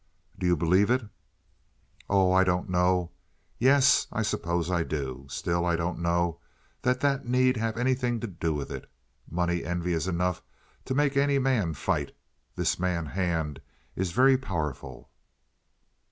"Do you believe it?" "Oh, I don't know. Yes, I suppose I do. Still, I don't know that that need have anything to do with it. Money envy is enough to make any man fight. This man Hand is very powerful."